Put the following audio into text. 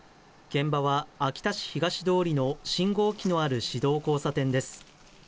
現場は秋田市東通の信号機のある市道交差点です。